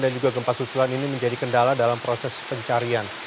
dan juga gempas susulan ini menjadi kendala dalam proses pencarian